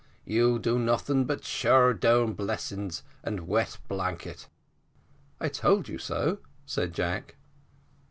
You do noting but shower down blessing and wet blanket." "I told you so," said Jack.